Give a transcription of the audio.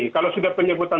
kalau sudah penyebutan